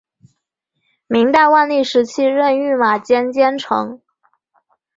明代万历时期任御马监监丞。